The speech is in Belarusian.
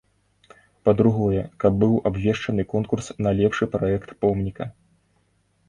Па-другое, каб быў абвешчаны конкурс на лепшы праект помніка.